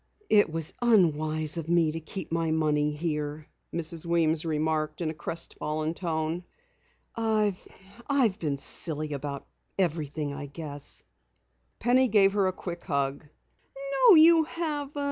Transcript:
"It was unwise of me to keep my money here," Mrs. Weems remarked in a crestfallen tone. "I I've been silly about everything, I guess." Penny gave her a quick hug. "No, you haven't.